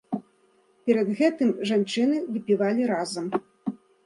Перад гэтым жанчыны выпівалі разам.